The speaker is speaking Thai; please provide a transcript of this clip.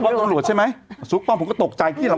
ป้อมตำรวจใช่ไหมซุกป้อมผมก็ตกใจคิดแล้ว